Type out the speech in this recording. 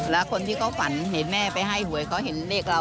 แล้วคนที่เขาฝันเห็นแม่ไปให้หวยเขาเห็นเลขเรา